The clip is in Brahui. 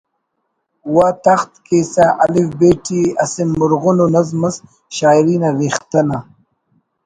وا تخت کیسہ الف ب ٹی اسہ مُرغن ءُ نظم اس شاعری نا ریختہ نا